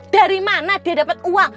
dari mana dia dapat uang